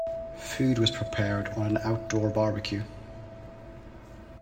Food was prepared on an outdoor barbecue.